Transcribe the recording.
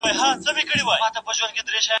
زه بايد لاس پرېولم!